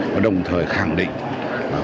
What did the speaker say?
và đồng thời khẳng định